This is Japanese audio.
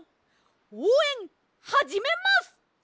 おうえんはじめます！